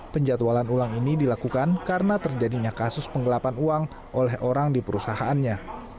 penjatualan ulang ini dilakukan karena terjadinya kasus penggelapan uang oleh orang di perusahaannya